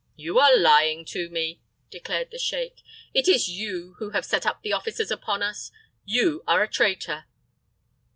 "You are lying to me," declared the sheik. "It is you who have set the officers upon us. You are a traitor!"